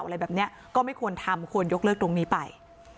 อะไรแบบนี้ก็ไม่ควรทำควรยกเลิกตรงนี้ไป